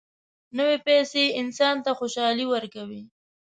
نوې پیسې انسان ته خوشالي ورکوي